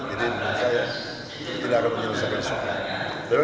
jadi saya tidak akan menyelesaikan soal